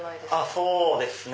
そうですね